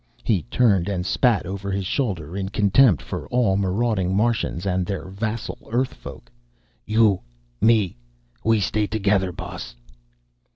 He turned and spat over his shoulder, in contempt for all marauding Martians and their vassal Earth folk. "You, me we stay together, boss."